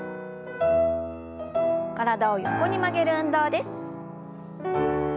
体を横に曲げる運動です。